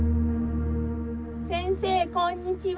先生こんにちは。